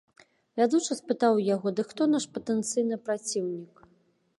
Вядучы спытаў у яго, дык хто наш патэнцыйны праціўнік?